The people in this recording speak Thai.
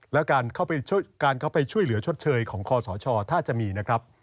แล้วการเข้าไปช่วยเหลือชดเชยของคอสชถ้าจะมีนะครับ